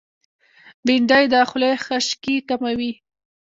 بېنډۍ د خولې خشکي کموي